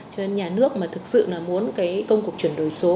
cho nên nhà nước mà thực sự muốn công cục chuyển đổi số